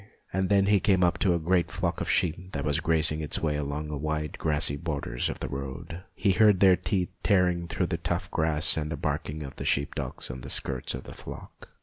And then he came up to a great flock of sheep that was grazing its way along the wide grassy borders of the road. He heard their teeth tearing the tough grass, and the barking of the sheep dogs on the skirts of the flock.